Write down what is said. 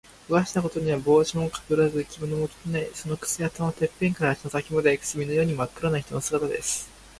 おかしなことには、帽子もかぶらず、着物も着ていない。そのくせ、頭のてっぺんから足の先まで、墨のようにまっ黒な人の姿です。